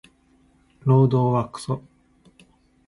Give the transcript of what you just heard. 労働はクソ